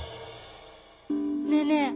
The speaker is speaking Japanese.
ねえねえ